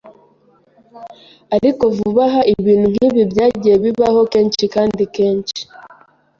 ariko vuba aha ibintu nkibi byagiye bibaho kenshi kandi kenshi.